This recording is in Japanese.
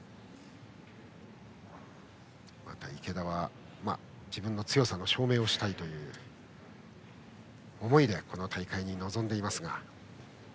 また池田は自分の強さの証明をしたいという思いでこの大会に臨んでいます。